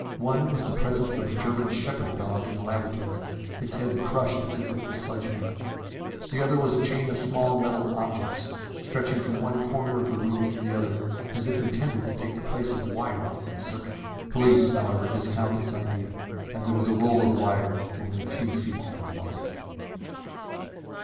One was the presence of a German shepherd dog in the laboratory, its head crushed as if with a sledgehammer. The other was a chain of small metal objects stretching from one corner of the room to the other, as if intended to take the place of wire in a circuit. Police, however, discount this idea, as there was a roll of wire only a few feet from the body.